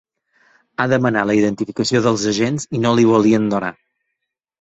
Ha demanat la identificació dels agents i no li volien donar.